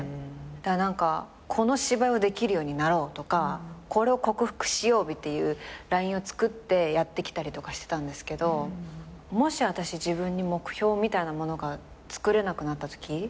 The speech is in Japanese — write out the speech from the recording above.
何かこの芝居をできるようになろうとかこれを克服しようっていうラインをつくってやってきたりとかしてたんですけどもしあたし自分に目標みたいなものがつくれなくなったとき。